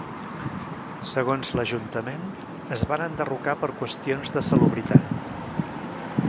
Segons l'Ajuntament es van enderrocar per qüestions de salubritat.